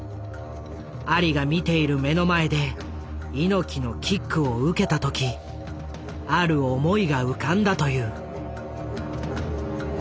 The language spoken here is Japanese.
アリが見ている目の前で猪木のキックを受けた時ある思いが浮かんだという。